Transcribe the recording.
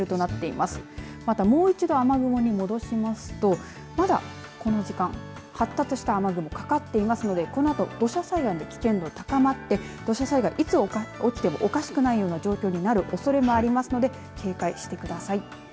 また、もう一度雨雲に戻しますとまだこの時間発達した雨雲かかっていますのでこのあと土砂災害の危険度高まって土砂災害、いつ起きてもおかしくないような状況になるおそれもありますので警戒してください。